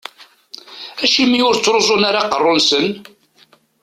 Acimi ur ttruẓun ara aqerru-nsen?